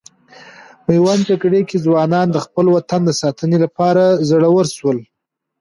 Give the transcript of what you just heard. میوند جګړې کې ځوانان د خپل وطن د ساتنې لپاره زړور سول.